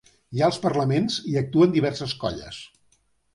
Hi ha els parlaments i actuen les diverses colles.